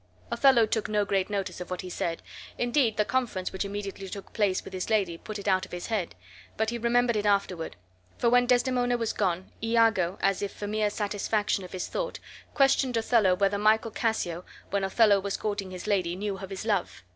Othello took no great notice of what he said; indeed, the conference which immediately took place with his lady put it out of his head; but he remembered it afterward. For when Desdemona was gone, Iago, as if for mere satisfaction of his thought, questioned Othello whether Michael Cassio, when Othello was courting his lady, knew of his love.